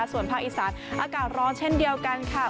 ส่วนภาคอีสานอากาศร้อนเช่นเดียวกันค่ะ